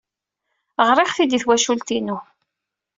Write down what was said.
Ɣriɣ-t-id i twacult-inu.